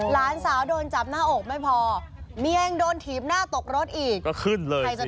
หลานสาวโดนจับหน้าอกไม่พอเมียยังโดนถีบหน้าตกรถอีกก็ขึ้นเลย